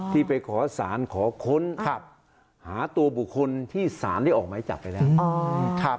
ไปขอสารขอค้นหาตัวบุคคลที่สารได้ออกไม้จับไปแล้ว